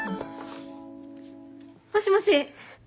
もしもし。